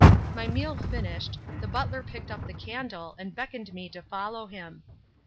My meal finished, the butler picked up the candle and beckoned me to follow him.